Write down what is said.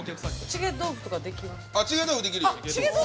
チゲ豆腐すぐできるよ。